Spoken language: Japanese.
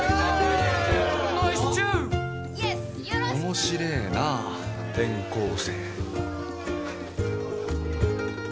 面白えな転校生。